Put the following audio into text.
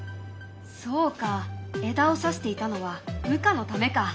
そうか枝をさしていたのは羽化のためか。